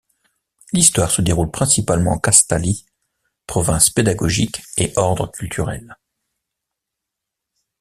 L'histoire se déroule principalement en Castalie, province pédagogique et ordre culturel.